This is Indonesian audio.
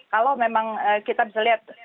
kalau memang kita bisa lihat